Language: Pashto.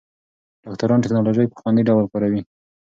ډاکټران ټېکنالوژي په خوندي ډول کاروي.